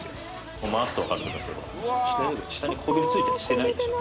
こう回すと分かると思いますが下にこびりついたりしてないでしょ？